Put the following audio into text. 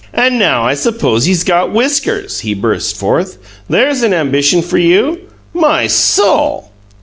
"And now I suppose he's got WHISKERS!" he burst forth. "There's an ambition for you! My soul!"